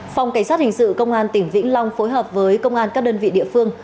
phòng cảnh sát hình sự công an tỉnh vĩnh long phối hợp với công an các đơn vị địa phương